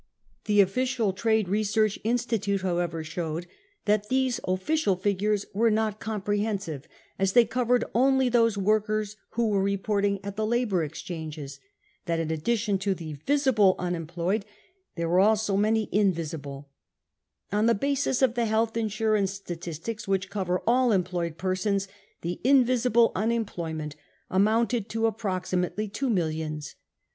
The official Trade Research Institute however showed that these official figures were not comprehensive, as they covered only those workers who were reporting at the Labour Exchanges ; that in addition to the " visible " unemployed, there were also many <s invisible/ 5 On the basis of the Health Insurance statistics, which cover ail employed persons, the " invisible 99 unem ployment amounted to approximately two millions.